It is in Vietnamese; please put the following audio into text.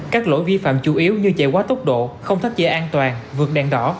các lỗi vi phạm chủ yếu như chạy quá tốc độ không thắt chế an toàn vượt đèn đỏ